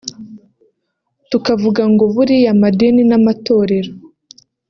tukavuga ngo buriya amadini n’amatorero